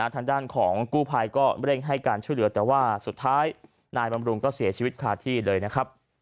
ทางด้านของกู้ภัยก็เร่งให้การช่วยเหลือแต่ว่าสุดท้ายนายบำรุงก็เสียชีวิตคาที่เลยนะครับ